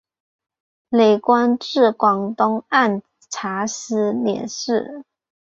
累官至广东按察司佥事。